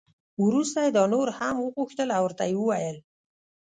وروسته یې دا نور هم وغوښتل او ورته یې وویل.